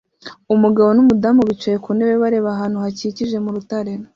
Umugabo numudamu bicaye ku ntebe bareba ahantu hakikije mu rutare